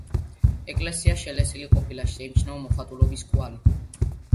ეკლესია შელესილი ყოფილა, შეიმჩნევა მოხატულობის კვალი.